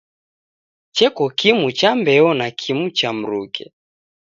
Cheko kimu cha mbeo na kimu cha mruke.